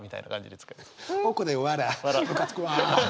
むかつくわ！